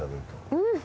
うん。